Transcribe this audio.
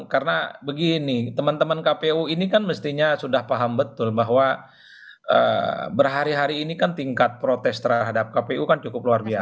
karena begini teman teman kpu ini kan mestinya sudah paham betul bahwa berhari hari ini kan tingkat protes terhadap kpu kan cukup luar biasa